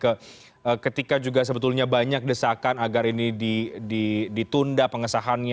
karena ketika juga sebetulnya banyak desakan agar ini ditunda pengesahan